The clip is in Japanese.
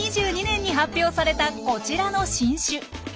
２０２２年に発表されたこちらの新種。